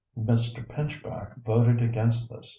Mr. Pinchback voted against this.